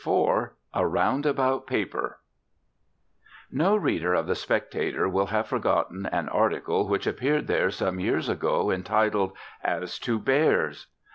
IV A ROUNDABOUT PAPER No reader of The Spectator will have forgotten an article which appeared there some years ago entitled "As to Bears."